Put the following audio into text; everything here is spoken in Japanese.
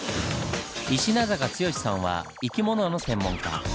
石名坂豪さんは生き物の専門家。